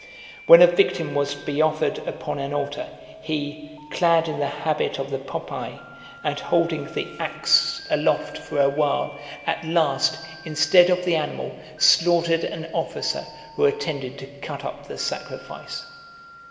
When a victim was to be offered upon an altar, he, clad in the habit of the Popae , and holding the axe aloft for a while, at last, instead of the animal, slaughtered an officer who attended to cut up the sacrifice.